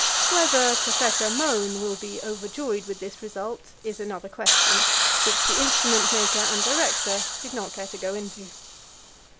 Whether Professor Mohn will be overjoyed with this result is another question, which the instrument maker and director did not care to go into.